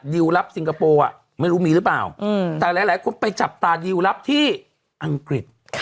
ดิวรับสิงคโปร์ไม่รู้มีหรือเปล่าแต่หลายคนไปจับตาดิวรับที่อังกฤษ